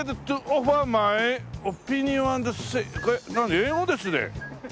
これ英語ですね。